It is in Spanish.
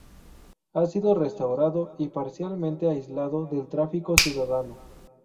Ha sido restaurado y parcialmente aislado del tráfico ciudadano.